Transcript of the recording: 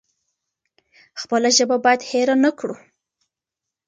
خپله ژبه بايد هېره نکړو.